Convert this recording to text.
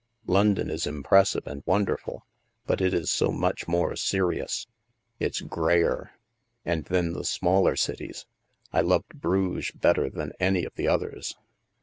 London is impressive and wonderful, but it is so much more serious. It's grayer. And then the smaller cities — I loved Bruges better than any of the others.